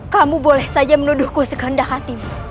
kamu boleh saja menuduhku sekehendak hatimu